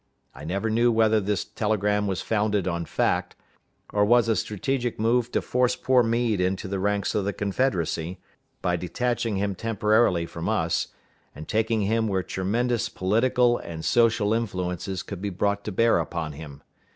I never knew whether this telegram was founded on fact, or was a strategic move to force poor Meade into the ranks of the Confederacy, by detaching him temporarily from us, and taking him where tremendous political and social influences could be brought to bear upon him.